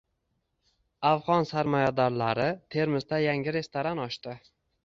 Afg‘on sarmoyadorlari Termizda yangi restoran ochdi